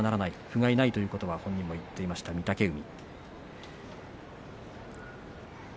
ふがいないということは本人が言っていました御嶽海。